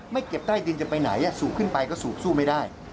เก็บใต้ดินจะไปไหนสูบขึ้นไปก็สูบสู้ไม่ได้